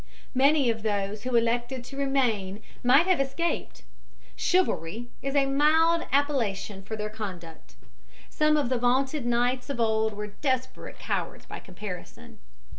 Many of those who elected to remain might have escaped. "Chivalry" is a mild appellation for their conduct. Some of the vaunted knights of old were desperate cowards by comparison.